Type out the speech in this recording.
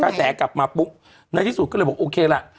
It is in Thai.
แสกลับมาปุ๊บในที่สุดก็เลยบอกโอเคล่ะ